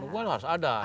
dukungan harus ada